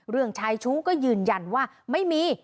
เรื่องชายชู้ก็ยืนยันว่าไม่มี